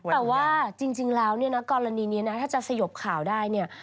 แต่ว่าจริงแล้วเนี่ยนะกรณีนี้นะถ้าจะสยบข่าวได้เนี่ย